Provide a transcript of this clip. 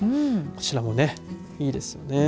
こちらもいいですよね。